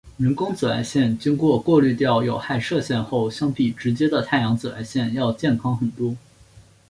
人工紫外线经过过滤掉有害射线后相比直接的太阳紫外线要健康很多。